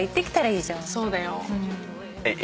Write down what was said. そうだよ。